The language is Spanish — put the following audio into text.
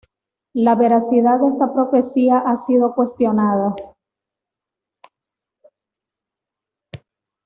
La veracidad de esta profecía ha sido cuestionada.